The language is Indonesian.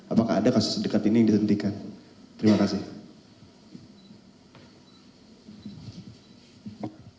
apakah ada kasus dekat ini yang dihentikan terima kasih